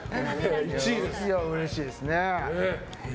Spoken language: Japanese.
うれしいですね。